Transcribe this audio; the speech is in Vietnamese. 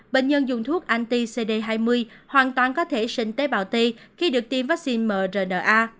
bệnh nhân dùng thuốc ant cd hai mươi hoàn toàn có thể sinh tế bào t khi được tiêm vaccine mrna